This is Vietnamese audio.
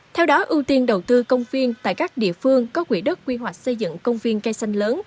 theo đó ưu tiên đầu tư công viên tại các địa phương có quỹ đất quy hoạch xây dựng công viên cây xanh lớn